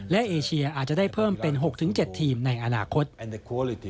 และเอเชียอาจจะได้เพิ่มเป็น๖๗ทีมในอนาคต